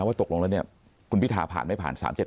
ว่าตกลงแล้วคุณพิธาผ่านไม่ผ่าน๓๗๖